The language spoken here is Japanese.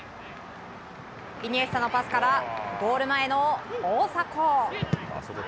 イニエスタのパスからゴール前の大迫。